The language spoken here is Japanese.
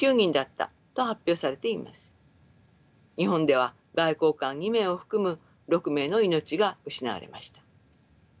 日本では外交官２名を含む６名の命が失われました。